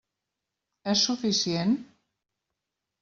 És suficient?